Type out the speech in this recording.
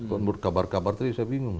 kalau menurut kabar kabar tadi saya bingung